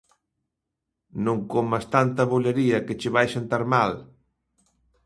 Non comas tanta bolería que che vai sentar mal.